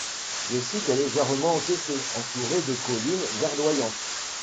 Le site est légèrement encaissé, entouré de collines verdoyantes.